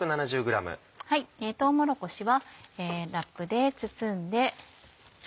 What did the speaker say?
とうもろこしはラップで包んで。